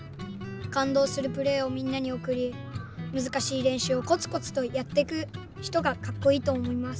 かんどうするプレーをみんなにおくりむずかしいれんしゅうをこつこつとやってくひとがカッコイイとおもいます。